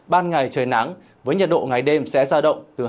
ban ngày trời nắng với nhiệt độ ngày đêm sẽ ra động từ hai mươi ba đến ba mươi ba độ